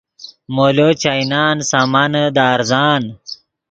مولو چائینان سامانے دے ارزان